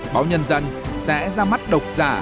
báo nhân dân sẽ ra mắt độc giả